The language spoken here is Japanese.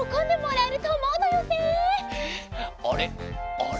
あれ？